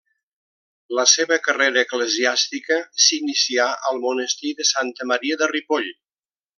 La seva carrera eclesiàstica s'inicià al monestir de Santa Maria de Ripoll.